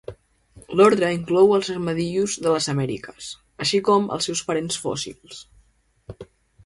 L'ordre inclou els armadillos de les Amèriques, així com els seus parents fòssils.